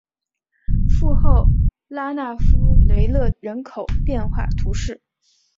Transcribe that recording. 富后拉讷夫维勒人口变化图示